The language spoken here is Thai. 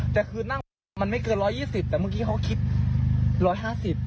แต่คือนั่งมันไม่เกินร้อยยี่สิบแต่เมื่อกี้เขาคิดร้อยห้าสิบ